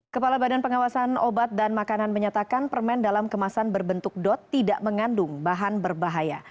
kepala badan pengawasan obat dan makanan menyatakan permen dalam kemasan berbentuk dot tidak mengandung bahan berbahaya